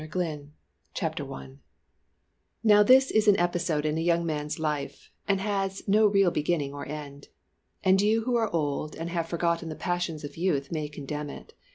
THREE WEEKS CHAPTER I Now this is an episode in a young man's life, and has no real beginning or ending. And you who are old and have forgotten the passions of youth may condemn it.